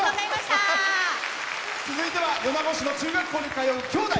続いては米子市の中学校に通うきょうだい。